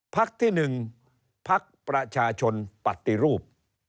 พักที่๑พักประชาชนปฏิรูป